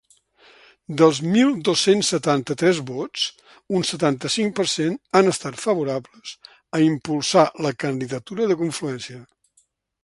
Dels mil dos-cents setanta-tres vots, un setanta-cinc per cent han estat favorables a impulsar la candidatura de confluència.